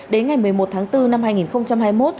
đến ngày một mươi một tháng bốn năm hai nghìn hai mươi một